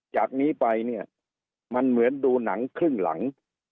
จากนี้ไปเนี่ยมันเหมือนดูหนังครึ่งหลัง